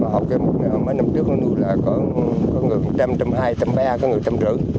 học cái mục này mấy năm trước nó nuôi là có người một trăm hai mươi một trăm ba mươi có người một trăm năm mươi